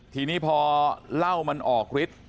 ทีนี้พอเรามันออกลิด